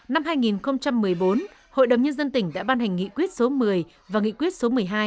năm hai nghìn một mươi bốn hội đồng nhân dân tỉnh đã ban hành nghị quyết số một mươi và nghị quyết số một mươi hai